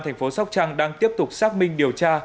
thành phố sóc trăng đang tiếp tục xác minh điều tra